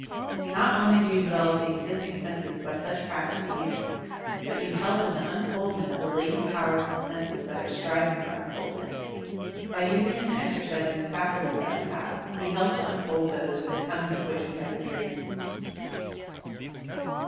No only do you develop the existing senses by such practice and use, but you help in the unfoldment of the latent powers and senses that are striving for unfoldment. By using and exercising the faculties that we have, we help to unfold those for the coming of which we have been dreaming.